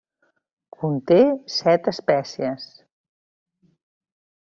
Conté set espècies.